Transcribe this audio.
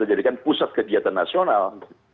kita jadikan pusat kegiatan nasional